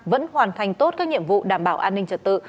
vẫn hoàn thành tốt các nhiệm vụ đảm bảo an ninh trật tự